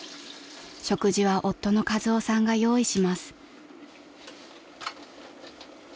［食事は夫のカズオさんが用意します］